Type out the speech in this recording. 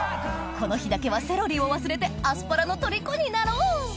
この日だけはセロリを忘れてアスパラのとりこになろう！